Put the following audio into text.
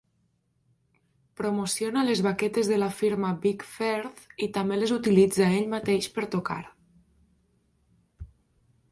Promociona les baquetes de la firma Vic Firth i també les utilitza ell mateix per tocar.